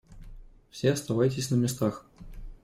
Все оставайтесь на местах.